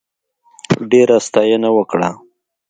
ډېره ستاینه وکړه.